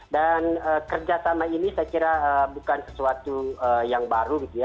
dan kerjasama ini saya kira bukan sesuatu yang baru